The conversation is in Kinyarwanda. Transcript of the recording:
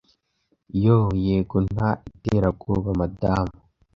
yoo yego nta iterabwoba madamu